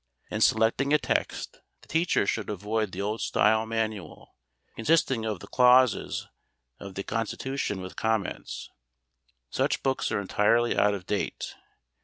In selecting a text the teacher should avoid the old style manual, consisting of the clauses of the constitution with comments. Such books are entirely out of date.